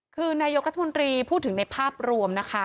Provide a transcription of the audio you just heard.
คือนายกรัฐมนตรีพูดถึงในภาพรวมนะคะ